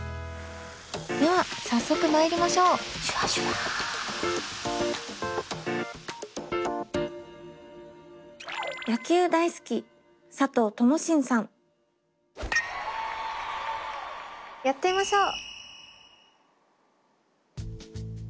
では早速まいりましょうやってみましょう。